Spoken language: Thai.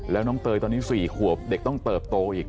แล้วน้องเตยตอนนี้๔ขวบเด็กต้องเติบโตอีก